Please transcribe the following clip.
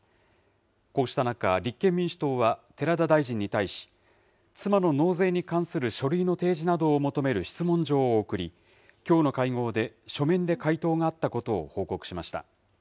こうした中、立憲民主党は寺田大臣に対し、妻の納税に関する書類の提示などを求める質問状を送り、きょうの会合で、書面で回答があったことを報告しました。